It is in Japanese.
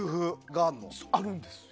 あるんです。